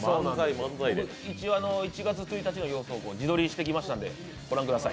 一応、１月１日の様子を自撮りしてきましたので、ご覧ください。